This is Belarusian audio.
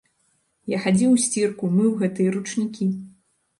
Я хадзіў у сцірку, мыў гэтыя ручнікі.